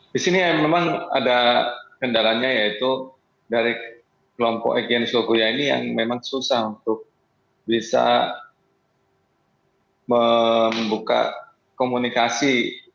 di sini memang ada kendalanya yaitu dari kelompok egyen sukuya ini yang memang susah untuk bisa membuka komunikasi